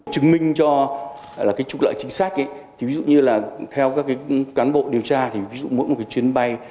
chứng minh cho là cái trục lợi chính xác ví dụ như là theo các cán bộ điều tra thì ví dụ mỗi một cái chuyến bay